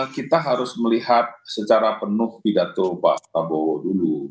kita harus melihat secara penuh pidato pak prabowo dulu